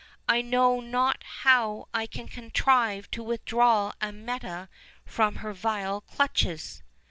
I know not how I can contrive to withdraw Amietta from her vile clutches."